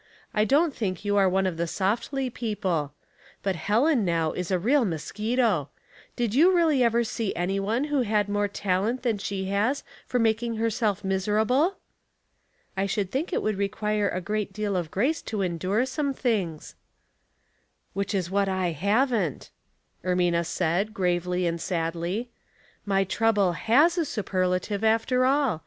I don't think you are one of the softly people ; but Helen, now, is a real mosquito. Did you really ever Bee any one who had more talent than slie has for making herself miserable?" '• I should think it would require a great deal of grace to endure some things." " Which is what I haven't," Ermina said, gravely and sadly. " My trouble has a superla tive after all.